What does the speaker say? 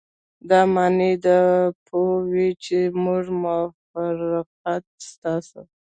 دا معنی دې پوه وي چې موږ مفارقت ستاسو.